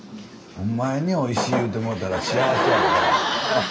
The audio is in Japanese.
お前に「おいしい」言うてもろたら幸せやな。